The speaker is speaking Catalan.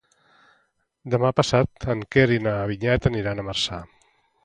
Demà passat en Quer i na Vinyet aniran a Marçà.